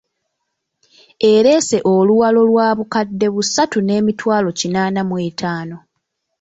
Ereese Oluwalo lwa bukadde busatu n’emitwalo kinaana mu etaano .